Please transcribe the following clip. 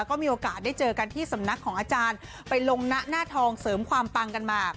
ก็มีโอกาสได้เจอกันที่สำนักของอาจารย์ไปลงหน้าทองเสริมความปังกันมา